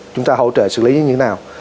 chúng ta hỗ trợ xử lý như thế nào